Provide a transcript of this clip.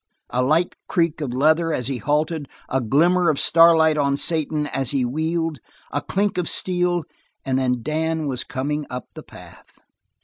A light creak of leather as he halted, a glimmer of star light on Satan as he wheeled, a clink of steel, and then Dan was coming up the path.